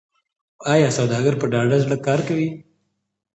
آیا سوداګر په ډاډه زړه کار کوي؟